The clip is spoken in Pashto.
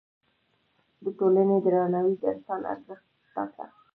د ټولنې درناوی د انسان ارزښت ټاکه.